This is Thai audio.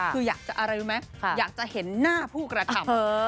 คืออยากจะอะไรรู้ไหมอยากจะเห็นหน้าผู้กระทำ